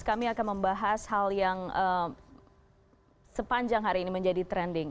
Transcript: kami akan membahas hal yang sepanjang hari ini menjadi trending